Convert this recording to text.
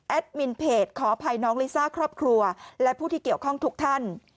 มินเพจขออภัยน้องลิซ่าครอบครัวและผู้ที่เกี่ยวข้องทุกท่าน